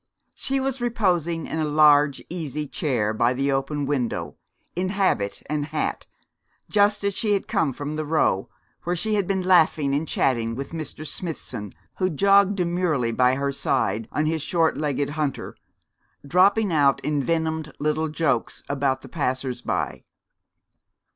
She was reposing in a large easy chair by the open window, in habit and hat, just as she had come from the Row, where she had been laughing and chatting with Mr. Smithson, who jogged demurely by her side on his short legged hunter, dropping out envenomed little jokes about the passers by.